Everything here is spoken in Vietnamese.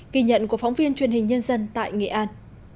ghi nhận của phóng viên truyền hình nhân dân tại nghệ an